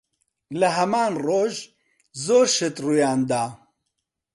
لە هەمان ڕۆژ، زۆر شت ڕوویان دا.